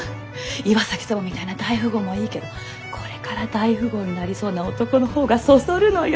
岩崎様みたいな大富豪もいいけどこれから大富豪になりそうな男の方がそそるのよ！